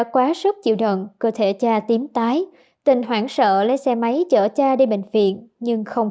quá sức chịu đựng cơ thể cha tím tái tình hoảng sợ lấy xe máy chở cha đi bệnh viện nhưng không